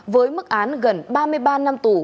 với mức án gần ba mươi ba năm tù